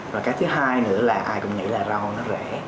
và cái thứ hai nữa là ai cũng nghĩ là rau nó rẻ